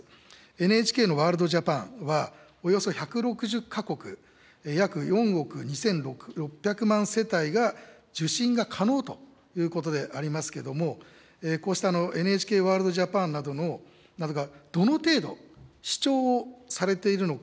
ＮＨＫのワールドＪＡＰＡＮは、およそ１６０か国、約４億２６００万世帯が受信が可能ということでありますけども、こうしたＮＨＫワールドＪＡＰＡＮなどが、どの程度視聴をされているのか、